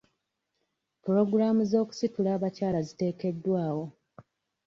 Pulogulaamu z'okusitula abakyala ziteekeddwawo.